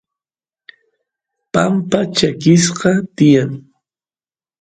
pampa chakisqa tiyan